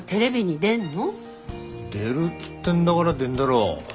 出るっつってんだがら出んだろう。